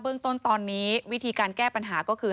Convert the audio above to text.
เรื่องต้นตอนนี้วิธีการแก้ปัญหาก็คือ